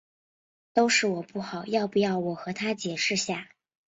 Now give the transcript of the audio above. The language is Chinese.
都是我不好，要不要我和她解释下？